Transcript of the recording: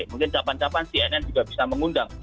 mungkin capan capan cnn juga bisa mengundang